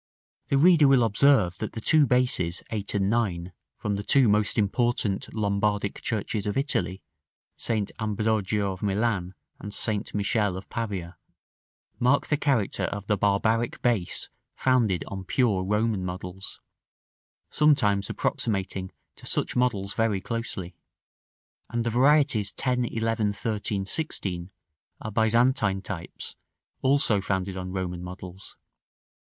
§ VII. The reader will observe that the two bases, 8 and 9, from the two most important Lombardic churches of Italy, St. Ambrogio of Milan and St. Michele of Pavia, mark the character of the barbaric base founded on pure Roman models, sometimes approximating to such models very closely; and the varieties 10, 11, 13, 16 are Byzantine types, also founded on Roman models.